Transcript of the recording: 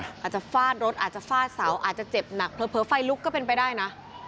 อาจจะฟาดรถอาจจะฟาดเสาอาจจะเจ็บหนักเผลอไฟลุกก็เป็นไปได้นะ